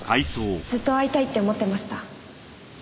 ずっと会いたいって思ってました。